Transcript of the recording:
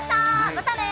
またね